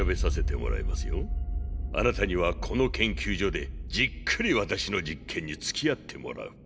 あなたにはこの研究所でじっくり私の実験につきあってもらう。